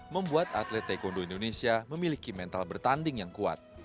membuat atlet taekwondo indonesia memiliki mental bertanding yang kuat